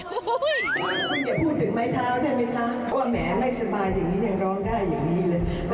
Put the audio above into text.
คุณอย่าพูดถึงไม้เท้าได้มั้ยคะ